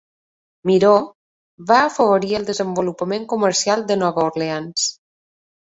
Miró va afavorir el desenvolupament comercial de Nova Orleans.